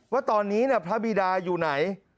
ว่าตอนนี้พระบีดาอยู่ไหน